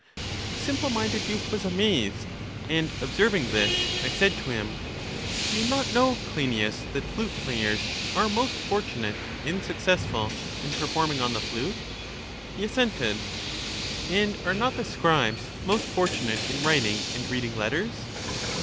The simple minded youth was amazed; and, ob serving this, I said to him: Do you not know, Cleinias, that flute players are most fortunate and successful in performing on the flute? He assented. And are not the scribes most fortunate in writing and reading letters?